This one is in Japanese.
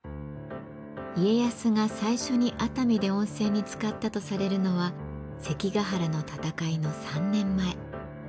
家康が最初に熱海で温泉につかったとされるのは関ヶ原の戦いの３年前。